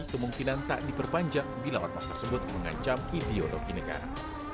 kemungkinan tak diperpanjang bila ormas tersebut mengancam ideologi negara